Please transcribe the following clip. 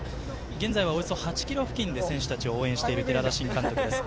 現在は、およそ８ｋｍ付近で選手たちを応援している、寺田新監督です。